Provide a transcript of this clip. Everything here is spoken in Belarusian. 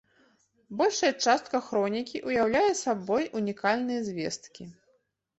Большая частка хронікі ўяўляе сабой унікальныя звесткі.